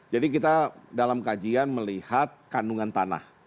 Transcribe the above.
jadi kita dalam kajian melihat kandungan tanah